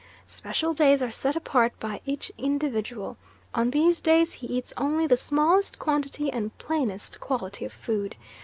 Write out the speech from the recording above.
Special days are set apart by each individual; on these days he eats only the smallest quantity and plainest quality of food.